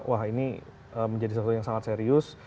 wah ini menjadi sesuatu yang sangat serius